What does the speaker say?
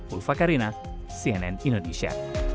ulfa karina cnn indonesia